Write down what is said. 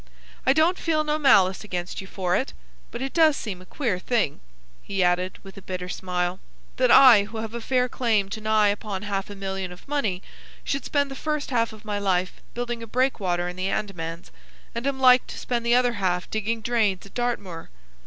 I don't feel no malice against you for it. But it does seem a queer thing," he added, with a bitter smile, "that I who have a fair claim to nigh upon half a million of money should spend the first half of my life building a breakwater in the Andamans, and am like to spend the other half digging drains at Dartmoor.